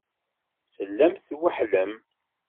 Tellamt tweḥḥlemt.